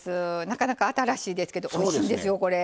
なかなか新しいですけどおいしいんですよこれ。